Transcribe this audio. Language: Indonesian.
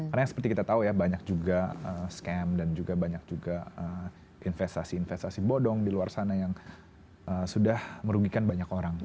karena seperti kita tahu ya banyak juga scam dan juga banyak juga investasi investasi bodong di luar sana yang sudah merugikan banyak orang